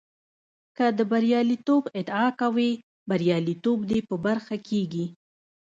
که د برياليتوب ادعا کوې برياليتوب دې په برخه کېږي.